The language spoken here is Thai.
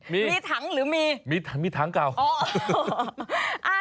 มีถังหรือมีมีถังเก่า